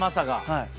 はい。